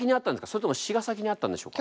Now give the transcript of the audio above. それとも詞が先にあったんでしょうか？